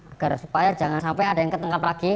agar supaya jangan sampai ada yang ketungkat lagi